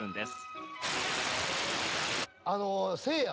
あのせいや。